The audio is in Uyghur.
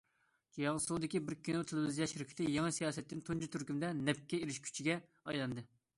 جياڭسۇدىكى بىر كىنو تېلېۋىزىيە شىركىتى يېڭى سىياسەتتىن تۇنجى تۈركۈمدە نەپكە ئېرىشكۈچىگە ئايلاندى.